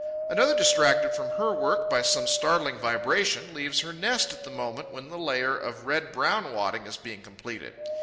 Another, distracted from her work by some startling vibration, leaves her nest at the moment when the layer of red brown wadding is being completed.